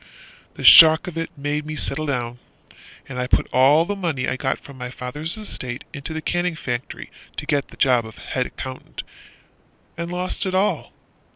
The shock of it made me settle down And I put all the money I got from my father's estate Into the canning factory, to get the job Of head accountant, and lost it all.